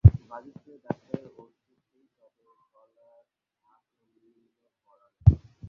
বাজিতপুরের ডাক্তারের ওষুধেই তবে গলার ঘা কমিল পরানের?